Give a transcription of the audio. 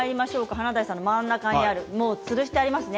華大さんの真ん中につるしてありますね。